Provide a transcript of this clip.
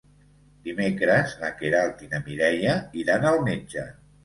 Dimecres na Queralt i na Mireia iran al metge.